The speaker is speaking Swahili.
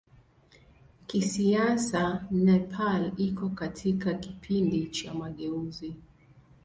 Kisiasa Nepal iko katika kipindi cha mageuzi.